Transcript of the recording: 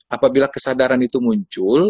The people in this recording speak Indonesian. apabila kesadaran itu muncul